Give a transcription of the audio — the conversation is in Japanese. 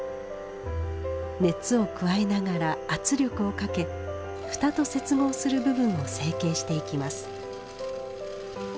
熱を加えながら圧力をかけ蓋と接合する部分を成形していきます。